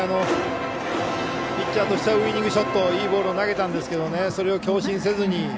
ピッチャーとしてはウイニングショットいいボールを投げたんですけどそれを強振せずに。